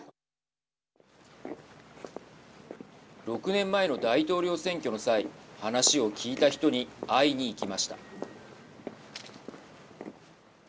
６年前の大統領選挙の際話を聞いた人に会いに行きました。